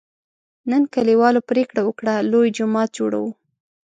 نن کلیوالو پرېکړه وکړه: لوی جومات جوړوو.